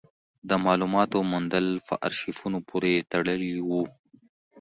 د مالوماتو موندل په ارشیفونو پورې تړلي وو.